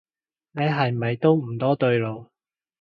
你係咪都唔多對路